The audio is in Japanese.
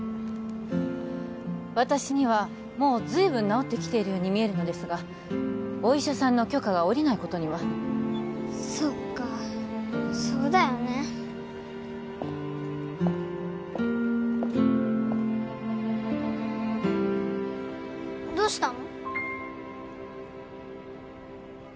私にはもう随分治ってきているように見えるのですがお医者さんの許可が下りないことにはそっかそうだよねどうしたの？